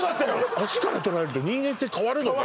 足から撮られると人間性変わるのね